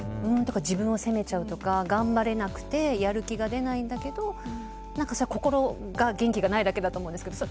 自分を責めちゃうとか頑張れなくてやる気が出ないそれは心が元気がないだけだと思うんですが